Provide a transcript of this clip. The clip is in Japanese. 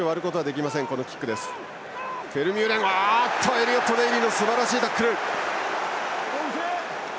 エリオット・デイリーのすばらしいタックル！